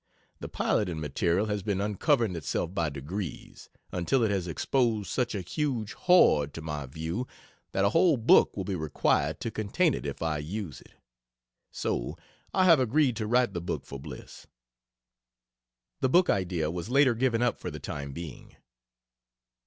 The piloting material has been uncovering itself by degrees, until it has exposed such a huge hoard to my view that a whole book will be required to contain it if I use it. So I have agreed to write the book for Bliss. [The book idea was later given up for the time being.